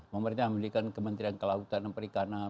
pemerintah memberikan kementerian kelautan dan perikanan